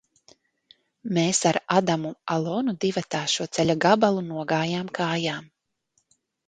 Mēs ar Adamu Alonu divatā šo ceļa gabalu nogājām kājām.